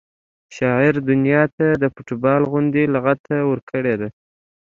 شاعر دنیا ته د فټبال غوندې لغته ورکړې ده